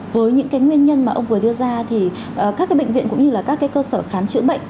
với những cái nguyên nhân mà ông vừa đưa ra thì các bệnh viện cũng như là các cơ sở khám chữa bệnh